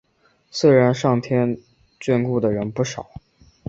虽然上天眷顾的人不少